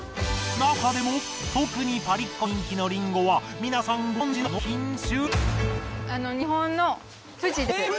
なかでも特にパリっ子に人気のリンゴは皆さんご存じのアノ品種！